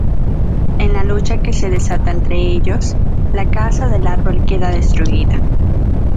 En la lucha que se desata entre ellos, la casa del árbol queda destruida.